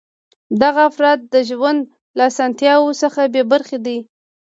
دغه افراد د ژوند له اسانتیاوو څخه بې برخې دي.